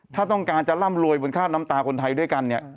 ถ้าต้องการจะร่ำรวยบนข้าวน้ำตาลคนไทยด้วยกัน